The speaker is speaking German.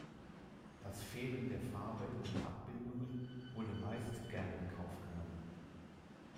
Das Fehlen der Farbe in den Abbildungen wurde meist gern in Kauf genommen.